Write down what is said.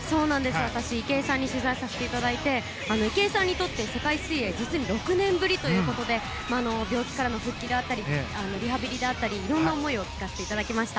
私、池江さんに取材させていただいて池江さんにとって、世界水泳実に６年ぶりということで病気からの復帰であったりリハビリであったり色んな思いを聞かせていただきました。